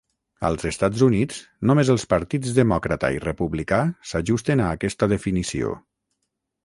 Als Estats Units, només els partits demòcrata i republicà s'ajusten a aquesta definició.